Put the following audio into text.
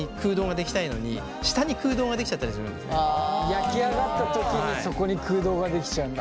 焼き上がった時にそこに空洞ができちゃうんだ。